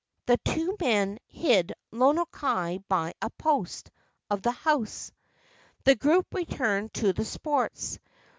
The two men hid Lono kai by a post of the house. The group returned to the sports.